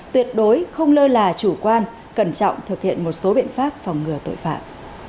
tuyệt đối không lơ là chủ quan cẩn trọng thực hiện một số biện pháp phòng ngừa tội phạm